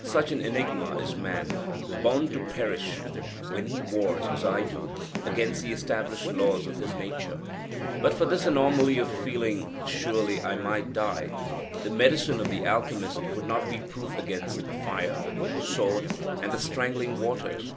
Such an enigma is man born to perish when he wars, as I do, against the established laws of his nature. But for this anomaly of feeling surely I might die: the medicine of the alchymist would not be proof against fire sword and the strangling waters.